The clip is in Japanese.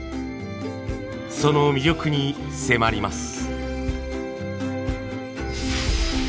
その魅力に迫ります。